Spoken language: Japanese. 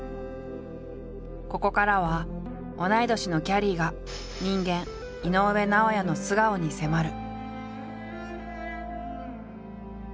ここからは同い年のきゃりーが人間井上尚弥の素顔に迫る。